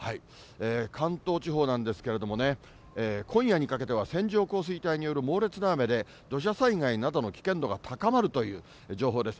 関東地方なんですけれどもね、今夜にかけては線状降水帯による猛烈な雨で、土砂災害などの危険度が高まるという状況です。